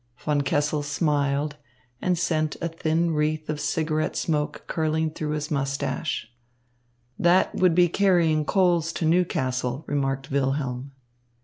Von Kessel smiled and sent a thin wreath of cigarette smoke curling through his moustache. "That would be carrying coals to Newcastle," remarked Wilhelm.